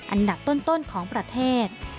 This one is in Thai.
อันดับต้นของประเทศ